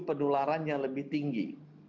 penularan yang lebih tinggi